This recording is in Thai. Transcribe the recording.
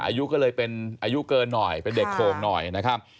อายุก็เลยเป็นอายุเกินหน่อยเป็นเด็กโข่งหน่อยนะครับ